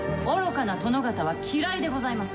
愚かな殿方は嫌いでございます。